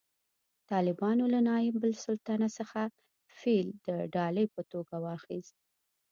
طالبانو له نایب السلطنه څخه فیل د ډالۍ په توګه واخیست